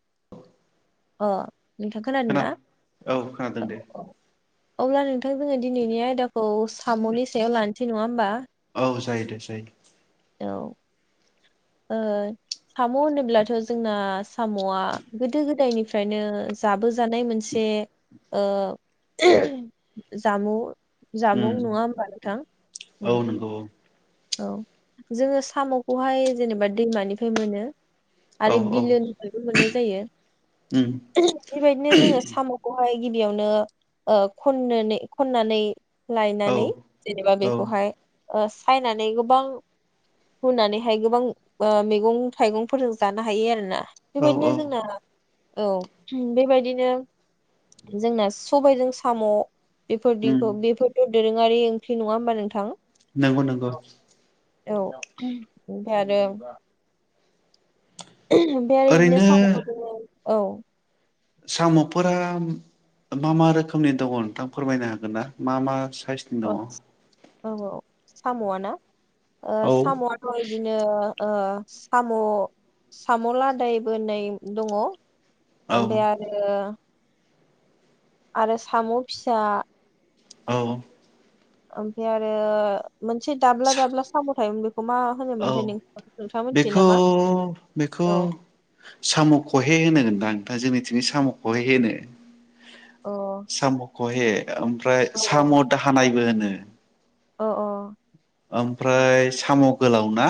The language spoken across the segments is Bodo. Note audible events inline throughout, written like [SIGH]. [INAUDIBLE] अ नोंथां खोनादों खोना ना औ खोनादों औ दे औ अब्ला नोंथां जोङो दिनैनि आयदाखौ साम'नि सायाव लानसै नङा होमबा औ जायो दे जायो औ ओ साम होनोब्लाथ जोंना सामआ गोदो गोदायनिफ्रायनो जाबोजानाय मोनसे ओ जामु जामुं उम नङा होमबा नोंथां औ ओम नंगौ औ जोङो सामखौहाय जेनेबा दैमानिफ्राय मोनो औ आरो औ बिलोनिफ्रायबो मोननाय जायो उम बेबायदिनो जोङो सामखौहाय गिबियावनो ओ खननानै खननानै औ लायनानै जेनेबा बेखौहाय ओस सायनानै गोबां हुनानैहाय गोबां ओ मैगं थाइगंफोरजों जानो हायो आरो ना औ औ बेबायदिनो जोंना औ बेबायदिनो जोंना सु सबायजों साम उम बेफोरदिखौ बेफोरथ दोरोङारि ओंख्रि नङा होमबा नोंथां नोंगौ नोंगौ औ ओमफाय आरो ओमफाय आरो बिदिनो ओरैनो सामखौ [UNINTELLIGIBLE] औ सामफोरा मा मा रोखोमनि दङ नोंथां फोरमायनो हागोन ना मा मा साइसनि औ दङ औ औ सामआ ना? ओ साम'आथ इदिनो ओ साम' साम' लादाय बोहोनाय दंङ औ ओमफाय आरो आरो साम' फिसा औ ओमफाय आरो मोनसे दाब्ला दाब्ला साम' थायोमोन बेखौ मा औ होनोमोनथाय नों नोंथाङा मोनथियो बेखौ नामा? बेखौ औ दा जोंनि थिंयो साम' खहे होनो। अ साम' खहे आ ओमफ्राय साम' दाहानायबो होन उम अ अ ओमफ्राय साम' गोलाव ना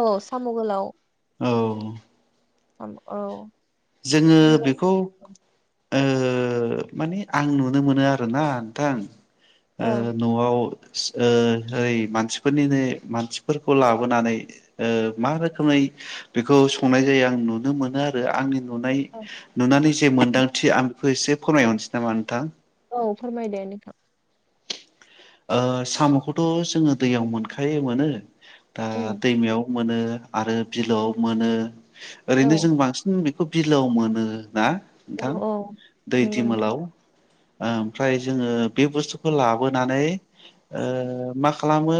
औ साम' गोलाव औ उम औ जोंङो बेबायदि बेखौ ओ मानि आं नुनो मोनो आरोना नोंथां ओ ओं न'आव सि ओ ओरै मानसिफोरनिनो मानसिफोरखौ लाबोनानै ओ मा रोखोमै बेखौ संनाय जायो आं नुनो मोनो आरो आंनि नुनाय नुनानै जे मोन्दांथि आं फो एसे फोरमायहरनोसै नामा नोंथां? औ फोरमायदो नोंथां। ओ साम'खौथ' जोंङो दैयाव मोनखायो मोनो। दा उम दैमायाव मोनो आरो बिलोआव मोनो औ ओरैनो जों बांसिन बि खोब बिलोआव मोनो ना? नोथां औ दै नंगौ नोंथां दिमोलाव ओ ओमफ्राय जोंङो बे बुस्थुखौ लाबोनानै ओ मा खालामो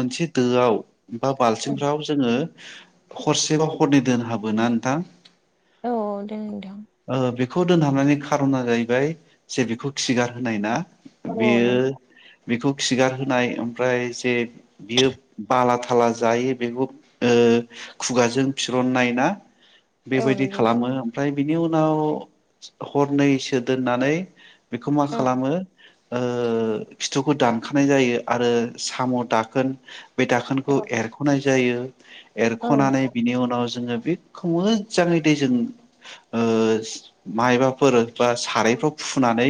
मोनसे दोआव बा बाल्थिंफ्राव जोंङो हरसेबा हरनै दोनहाबोना नोंथां? औ दे नोथां। ओ बेखौ दोनहाबनायनि खारना जाहैबाय जे बेखौ खिगार होनाय ना? औ नंगौ बेयो बेखौ खिगारहोनाय ओमफ्राय जे बियो बालाथ खाला जायो बेखौ ओ खुगाजों फिरननाय ना औ बेबायदि नंगौ खालामो ओमफ्राय बिनि उनाव हरनैसो दोननानै बेखौ मा औ खालामो ओ फिथुखौ दानखानाय जायो आरो साम' दाखोन बे औ दाखोनखौ एरख'नाय जायो औ एरख'नानै नंगौ बिनि उनाव जोङो बेखौ मोजाङै दैजों ओ [UNINTELLIGIBLE] मायबाफोर बा सारायफ्राव फुनानै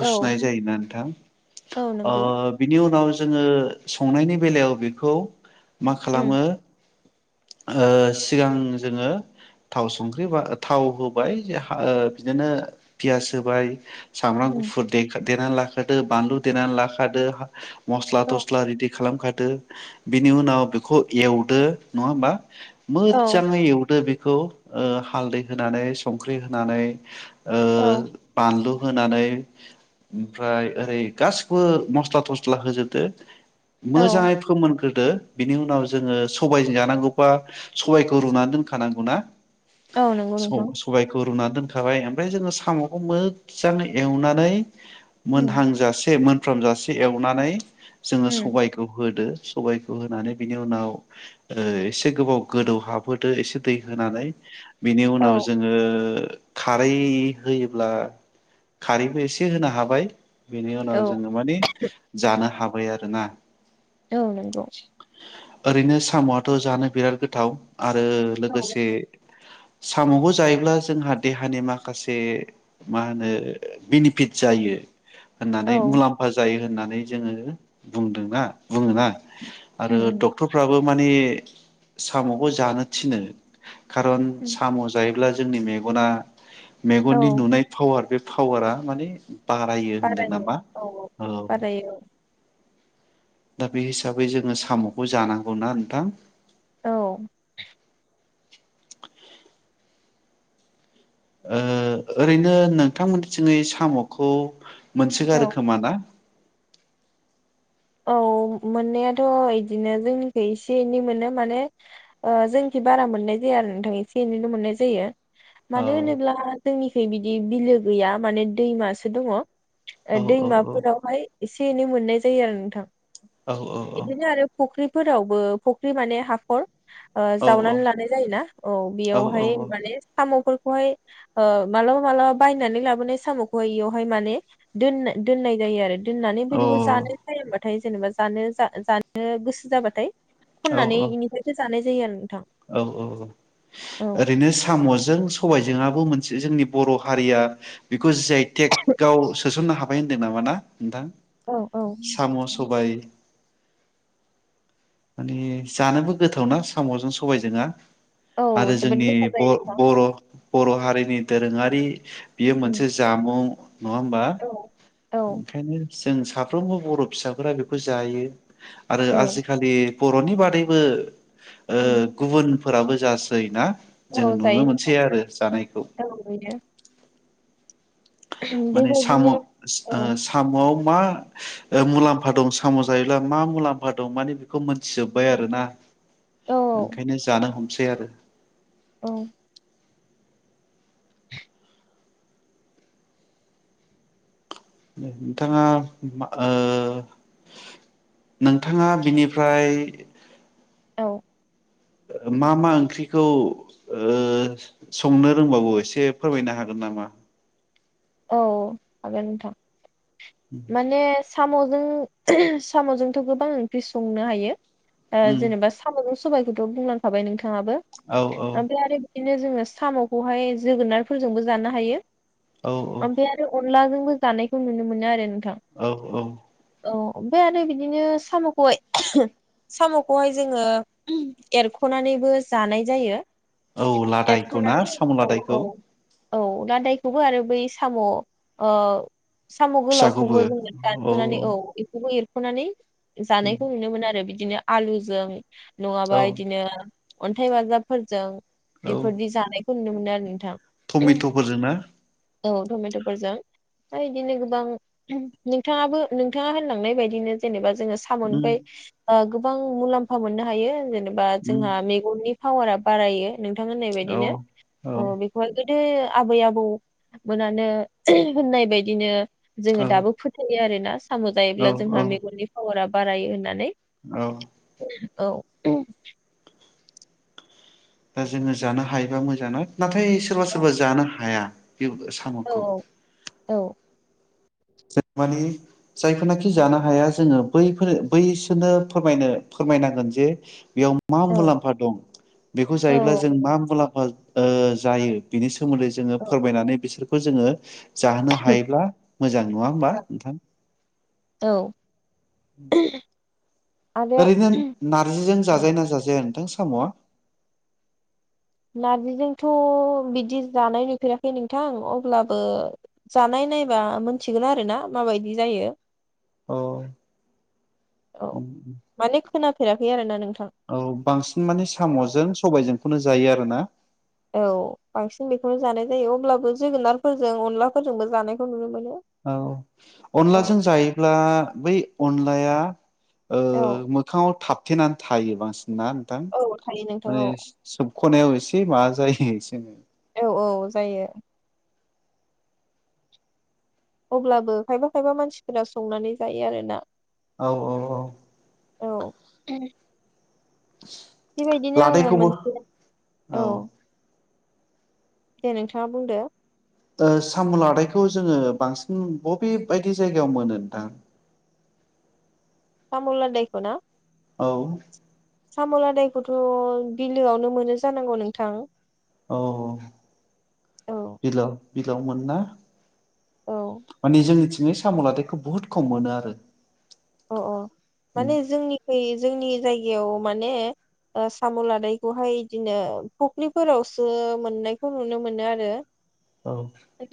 औ सुनाय जायोना नोंथां औ अ नंगौ बिनि नि उनाव जोङो संनायनि बेलायाव बेखौ मा उम खालामो ओ सिगां जोङो थाव संख्रि बा थाव होबाय [UNINTELLIGIBLE] ओ बिदिनो पियास होबाय सामब्राम उम गुफुर देखा देना लाखो दो बानलु देनान लाखादो [UNINTELLIGIBLE] मस्ला औ थस्ला रेदि खालामखादो [UNINTELLIGIBLE] बिनि उनाव बेखौ एवदो नङा होमबा औ मोजांयै एवदो बे खौ ओ हालदै होनानै संख्रि होनानै ओ औ बानलु होनानै [UNINTELLIGIBLE] ओमफ्राय ओरै गासिखौबो मस्ला थस्ला होजोबदो औ मोजाङै फोमोनग्रोदो बिनि उनाव जोङो सबाइजों जानांगौबा सबाइखौ रुनान दोनखानांगौनाा औ नंगौ स नोंथां सबायखौ रुना दोन खाबाय ओमफ्राय जोङो साम'खौ मोजां एवनानै उम मोनहांजा मोनफ्राम जासे एवनानै जोङो उम सबायखौ होदो सबायखौ होनानै बिनि उनाव ओ एसे गोबाव गोदौ हाबहोदो एसे दै होनानै बिनि उनाव औ जोङो खारै होयोब्ला खारैबो एसे होनो हाबाय। बेनि उनाव औ जोङो माने जानो हाबाय आर‌ रो ना। औ नंगौ। ओरैनो साम'आथ' जानो बिराद गोथाव। आरो औ लोगोसे साम'खौ जायोब्ला जोंहा देहानि माखासे मा होनो बेनिफिट जायो। औ मुलाम्फा जायो। होननानै जोङो बुंदोंना बुङोना। आरो उम उम डक्टरफ्राबो माने साम'खौ जानो थिनो। खारन उम साम' जायोब्ला जोंनि मेगना औ मेगननि नुनाय पावार बे पावारा माने बारायो होनदों नामा? औ औ बारायो औ दा बे हिसाबै जोङो साम'खौ जानांगौना नोंथां? औ [INAUDIBLE] ओ ओरैनो नोंथांमोनथिङै साम'खौ औ मोनसोगारो खोमा ना? औ मोननायाथ' इदिनो जोंनिखै एसे एनै मोनो माने ओ जोंनिखि बारा मोननाय जाया आरो नोंथां एसे एनैल' मोननाय जायो। औ मानो होनोब्ला जोंनिखै बिदि बिलो गैया माने दैमासो दङ। ओ औ औ दैमाफोरावहाय एस से एनै मोननाय जायो आरो नोंथां। औ एदिनो आरो फख्रि फोरावबो फख्रि माने हाखर ओ औ जावनानै लानाय जायोना औ औ बेयावहाय माने साम'फोर खौहाय ओ मालाबा मालाबा बायनानै लाबोनाय साम'खौहाय बेयावहाय माने दोन दोननाय जायो आरो दोननानै बे बेखौ जानाय जायो फाय जेनबा जानो जा जानो गोसो जाबाथाय औ खननानै बेनिफ्रायसो जानाय जायो आरो नों औ औ औ ओरैनो साम' जों सबायजोंआबो मोनसे जोंनि बर' हारिया बेखौ जि आइ टेक आव सोसननो हाबाय होनदों नामा ना नोंथां औ औ साम' सबाय माने जानोबो गोथावना साम'जों सबायजोंआ औ आरो जोबोद जोंनि गोथाव जायो बर नोंथां बर' बर' हारिनि दोरोङारि बियो उम, मोनसे जामुं नङा होमबा औ औ ओंखायनो जों साफ्रोमबो बर' फिसाफोरा बेखौ जायो आरो औ आजिखालि बर'नि बादैबो ओ उम, गुबुन फोराबो जासै ना जों औ जायो नुनो नोंथां मोनसै आरो जानायखौ औ बेनो माने साम' ओ बेबायदिनो औ साम'आव मा ओ मुलाम्फा दं साम' जायोब्ला मा मुलाम्फा दं माने बेखौ मोन थिजोब्बाय आरोना औ ओंखायनो जानो हम सै आरो औ नोंथाङा मा ओ नोंथाङा बिनिफ्राय औ मा मा ओंख्रिखौ ओ संनो रोंबावो एसे फोरमायनो हागोन नामा औ हागोन नोंथां माने साम'जों साम'जोंथ' गोबां ओंख्रि संनो हायो ओ उम जेनेबा साम'जों स सबाइखौथ' बुंलांखाबाय नोंथां थाङाबो औ ओमफ्राय आरो बिदिनो जोङो साम'खौहाय जोगोनारफोरजोंबो जानो हायो। औ औ। अनला जोंबो जानायखौ नुनो मोनो आरो न औ औ। ओमफ्राय आरो बिदिनो सामखौहाय एहो सामखौहाय जोंङो उम एरखनानैबो जानाय जायो। औ लादायखौ ना एरख'नानै साम औ लादायखौ? औ औ लादायखौबो आरो बै साम ओयो साम गोलाव फिसाखौबो खौबो जोंङो दानसनानै औ इखौबो एर खनानै जानायखौ नुनो मोन आरो बि दिनो आलुजों औ नङाबा इदिनो अन्थाइ बाजाबफोरजों इफोरदि जानाय- खौ नुनो मोनो आरो नोंथां। टमेट फोरजों ना? औ टमेट फोरजों हा इदिनो गोबां हुम नोंथाङाबो नोंथाङा होनलांनाय बायदिनो जेनेबा जो जोङो उम सामनिफ्राय ओ गोबां मुलाम्फा मोननो हायो जेनेब बा उम जोंहा मेगननि पावारा बारायो। नोंथां होननाय औ बायदिनो औ अह बेखौहाय गोद दो आबै आबौमोनानो ओहो होननाय बायदिनो औ जोंङो दाबो फोथायनाय आरो। नास साम औ जायोब्ला जोंहा मेगननि पावारा बारायो होननानै औ। औ उहुम। दा जोङो जानो हायोबा मोजांना? नाथाय सोरबा औ सोरबा जानो हाया। बे औ सामखौ औ [UNINTELLIGIBLE] माने जायफोरनाखि जानो हाया जोंङो बैफोर बैसोरनो फोरमायनो फोरमायनांगोन जे बेयाव मा औ मुलाम्फा दं बेखौ जायोब्ला औ जों मा मुलाम्फा ओ जायो बिनि सा सोमोन्दै जोङो औ फोरमायनानै बिसोर खौ जोङो जाहोनो हायोब्ला मोजां नङा होमबा नोंथां औ उम आरो ओरैनो नारजिजों जाजाय ना जाजाया नोंथां साम'आ नारजिजोंथ' बिदि जानाय नुफेराखै नोंथां अब्लाबो जानाय नायबा मोनथिगोन आरोना माबायदि जायो अ औ माने खोनाफेराखै आरोना नोंथां औ बांसिन माने औ साम'जों सबायजोंखौनो जायो आरो ना औ बांसिन बेखौनो जानाय जायो अब्लाबो जोगोनारफोरजों अनलाफोरजोंबो जानायखौ नुनो मोनो औ औ अनलाजों जायोब्ला बै अनला लाया ओ औ मोखाङाव थाब थेनानै थायो बांसि‌ ना नोंथां औ थायो नोंथां माने औ सोब खनायाव एसे माबा जायो एसेनै औ औ जायो अब्लाबो खायफा खायफा मानसिफोरा संनानै जायो आरोना औ औ औ औ बेबायदिनो आङो लादायखौबो मोनसे औ दे नोंथाङा बुंदो ओ साम' लादाइखौ जोङो बांसिन बबे बायदि जायगायाव मोनो नोंथां सामुलादायखौना औ साम'लादायखौथ' बिलोआवनो मोनो जानांगौ नोंथां औ औ बिलो बिलोआव मोन ना औ मानि जोंनिथि ङै साम'लादथायखौ बुहुत खम मोनो आरो अ अ माने जोंनिफाय जोंनि जायगायाव माने ओ साम' लादायखौहाय बिदिनो फख्रिफोरावसो मोननायखौ नुनो मोनो आरो औ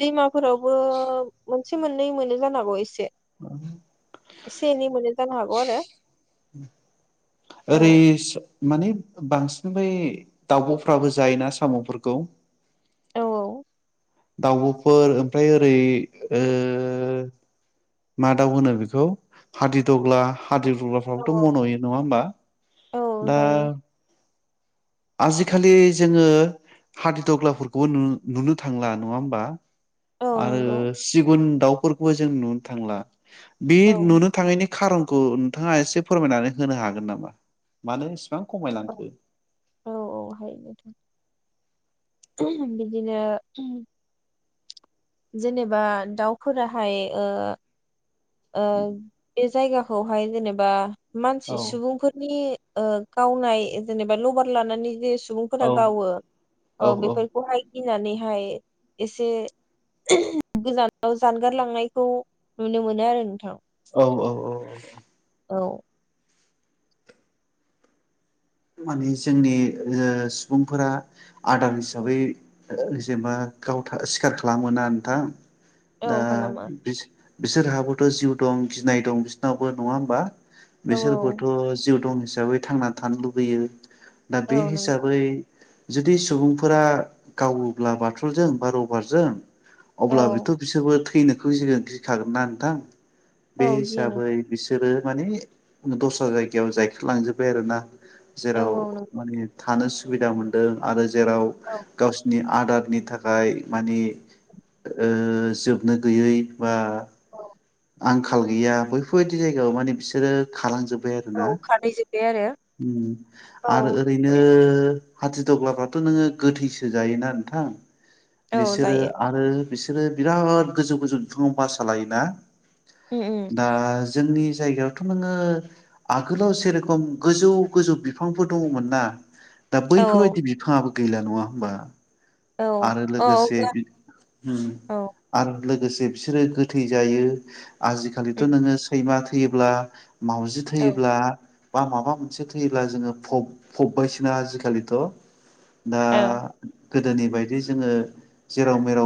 दैमाफोरावबो एसे मोननै मोनो जानो हागौ एसे [INAUDIBLE] एसेनि एनै जानो हागौ आरो औ ओरै माने बांसिन बै दाउब'फ्राबो जायोना साम'फोरखौ औ औ दाउब'फोर ओमफ्राय ओरै ओ मा दाउ होनो बेखौ हादिद'ग्ला औ हादिद'ग्लाफ्राबोथ' मन'यो नङा होमबा औ दा जायो आजिखालि जोङो हादिद'ग्लाफोरखौबो नुनो थांला नङा होमबा औ आरो नंगौ सिगुन दाउ फोरखौबो जों नुनो थांला बे औ नुनो थांयैनि खारनखौ नोंथाङा एसे फोरमायनानै होनो हागोन नामा मानो? [UNINTELLIGIBLE] एसिबां औ खमायलांखो औ औ हायोथ' बिदिनो जेनेबा दाउफोराहाय ओ ओ बे जायगाखौ खौहाय जेनेबा मानसि औ सुबुंफोरनि ओ गावनाय जेनेबा लबार लानानै जे सुबुंफोरा औ गावो औ ओ बेफोरखौहाय गिनानैहाय एसे गोजानाव जानगारलांनायखौ नुनो मोनो आरो नोंथां औ औ औ औ माने जोंनि ओ सुबुंफोरा आदार हिसाबै जेनेबा गाव सिखार खालामोना नोंथां औ दा खालामा बि बिसोरहाबोथ' जिउ दं गिनाय दं बिसोरनावबो नङा होमबा औ बिसोरबोथ' जिउ दं हिसाबै थांनानै थानो लुबै होयो दा बे औ नंगौ हिसाबै जुदि सुबुंफोरा गावोब्ला बाथुलजों बा रबारजों औ अब्ला बेथ' बिसोरबो थैनो खौ गिगोन गिखागोनना नोंथां बे औ गियो हिसाबै नोंथां बिसोरो माने दस्रा जायगायाव जायखार लांजोबबाय आरो ना औ जेराव औ नंगौ माने थानो सु सुबिदा मोनदों आरो जेराव औ गावसिनि आदारनि थाखाय माने ओ जोबनो गैयै बा औ आंखाल गैया बैफोरबायदि जायगायाव माने बिसोरो खारलांजोब बे आरोना औ खारदै जोब्बाय आरो ओम आरो औ ओरैनो हाथिदग्लाफ्राथ' नोङो गोथैसो जायोना नोंथां औ बिसोरो जायो आरो बिसोरो बिराद गोजौ गोजौ बिफाङाव बासा लायोना उम उम दाज जोंनि जायगायावथ' नोङो आगोलाव जेरखम गोजौ गोजौ बिफांफोर दङमोन ना दा औ बैफोरबायदि बिफाङाबो गैला नङा होमबा औ आरो औ लोगोसे अब्ला बि ओम औ आरो लोगोसे बिसोरो गोथै जायो आजिखालिथ' उम नोङो सैमा योब्ला मावजि औ थैयोब्ला बा माबा मोनसे थैयोब्ला जोङो फब फबबायसोना आजिखालिथ' दा औ गोदोनि बायद दि जोङो जेराव मेराव